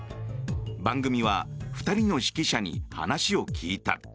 番組は２人の識者に話を聞いた。